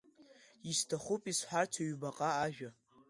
Исҭахуп исҳәарц ҩбаҟа ажәа.